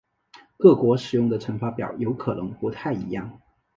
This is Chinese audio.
各国使用的乘法表有可能不太一样。